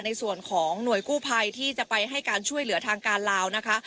ในส่วนของหน่วยกู้ภัยที่จะไปให้การช่วยเหลือทางการลาวนะคะ